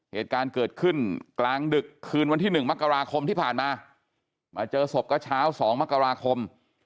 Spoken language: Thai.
เหตุการณ์เกิดขึ้นกลางดึกคืนวันที่๑มกราคมที่ผ่านมามาเจอศพก็เช้า๒มกราคม